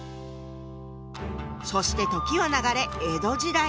そして時は流れ江戸時代。